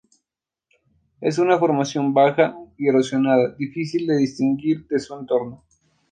Es una formación baja y erosionada, difícil de distinguir de su entorno.